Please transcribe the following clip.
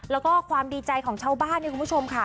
แล้วก็ความดีใจของชาวบ้านเนี่ยคุณผู้ชมค่ะ